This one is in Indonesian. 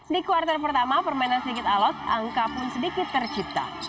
di kuartal pertama permainan sedikit alot angka pun sedikit tercipta